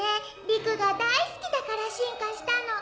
理久が大好きだから進化したの。